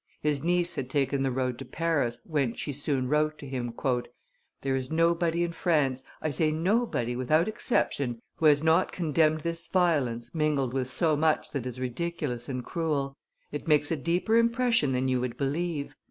His niece had taken the road to Paris, whence she soon wrote to him, "There is nobody in France, I say nobody without exception, who has not condemned this violence mingled with so much that is ridiculous and cruel; it makes a deeper impression than you would believe.